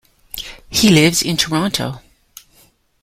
He lives in Toronto.